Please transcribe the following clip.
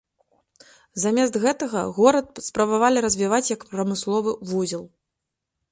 Замест гэтага, горад спрабавалі развіваць як прамысловы вузел.